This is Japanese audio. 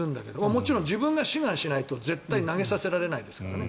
もちろん自分が志願しないと絶対投げさせられないですからね